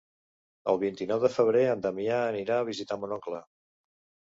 El vint-i-nou de febrer en Damià anirà a visitar mon oncle.